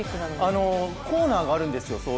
コーナーがあるんですよ